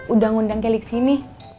udah ngundang kelly ke sini